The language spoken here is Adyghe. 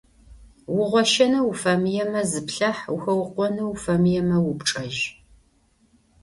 Угъощэнэу уфэмыемэ, зыплъахь, ухэукъонэу уфэмыемэ, упчӏэжь.